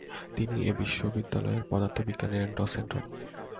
তিনি এই বিশ্ববিদ্যালয়ের পদার্থ বিজ্ঞানের ডসেন্ট হন।